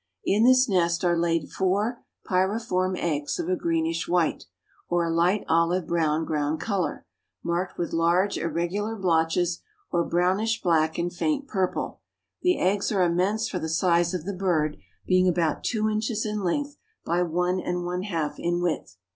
In this nest are laid four pyriform eggs of a greenish white, or a light olive brown ground color, marked with large, irregular blotches or brownish black and faint purple; the eggs are immense for the size of the bird, being about two inches in length by one and one half in width.